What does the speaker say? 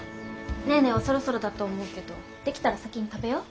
ネーネーはそろそろだと思うけど出来たら先に食べよう。